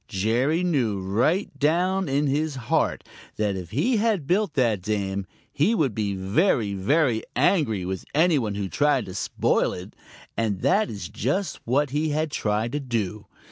Jerry knew right down in his heart that if he had built that dam, he would be very, very angry with any one who tried to spoil it, and that is just what he had tried to do.